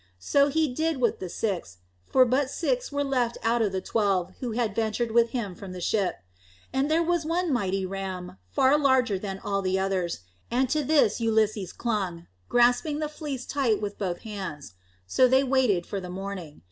So he did with the six, for but six were left out of the twelve who had ventured with him from the ship. And there was one mighty ram, far larger than all the others, and to this Ulysses clung, grasping the fleece tight with both his hands. So they waited for the morning.